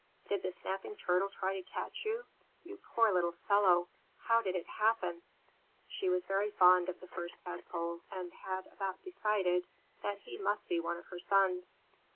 "Did the Snapping Turtle try to catch you? You poor little fellow! How did it happen?" She was very fond of the First Tadpole, and had about decided that he must be one of her sons.